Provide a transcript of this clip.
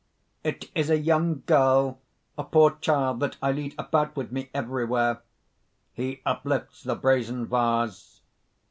"It is a young girl, a poor child that I lead about with me everywhere." (_He uplifts the brazen vase.